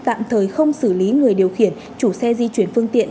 tạm thời không xử lý người điều khiển chủ xe di chuyển phương tiện